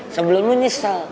sebelum lu nyesel